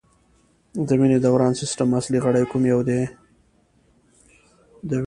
د وینې دوران سیستم اصلي غړی کوم یو دی